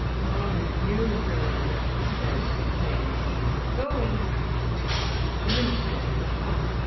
"Oh, is it you, Mr Lin'ley!" she said, in a complaining tone. "Go in." The minister entered the house.